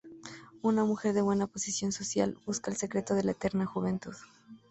Una mujer de buena posición social, busca el secreto de la eterna juventud.